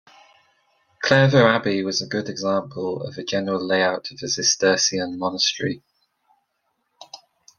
Clairvaux Abbey was a good example of the general layout of a Cistercian monastery.